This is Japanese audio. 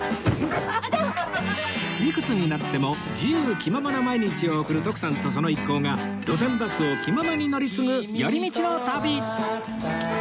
いくつになっても自由気ままな毎日を送る徳さんとその一行が路線バスを気ままに乗り継ぐ寄り道の旅